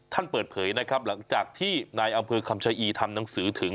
เปิดเผยนะครับหลังจากที่นายอำเภอคำชะอีทำหนังสือถึง